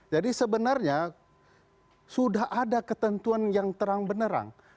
jadi sebenarnya sudah ada ketentuan yang terang benerang